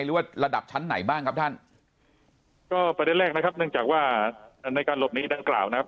หรือว่าระดับชั้นไหนบ้างครับท่านก็ประเด็นแรกนะครับเนื่องจากว่าในการหลบหนีดังกล่าวนะครับ